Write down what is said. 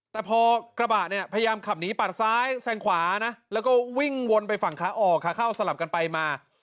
แต่พอกระบะเนี่ยพยายามขับหนีปัดซ้ายแซงขวานะแล้วก็วิ่งวนไปฝั่งขาออกขาเข้าสลับกันไปมา